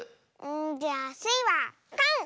じゃあスイはかん！